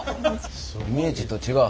イメージと違う。